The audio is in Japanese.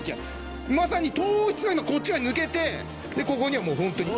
まさに糖質がこっち側に抜けてここにはもうホントに。